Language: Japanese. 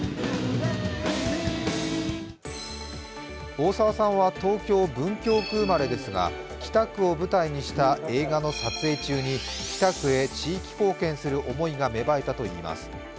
大沢さんは東京・文京区生まれですが北区を舞台にした映画の撮影中に北区へ地域貢献する思いが芽生えたといいます。